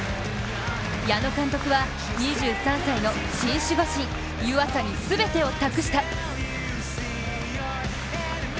矢野監督は２３歳の新守護神・湯浅に全てを託した！